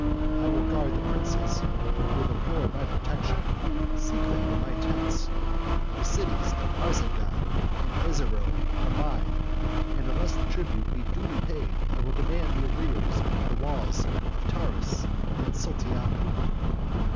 I will guard the princes who have implored my protection: seek them in my tents. The cities of Arzingan and Erzeroum are mine; and unless the tribute be duly paid, I will demand the arrears under the walls of Tauris and Sultania."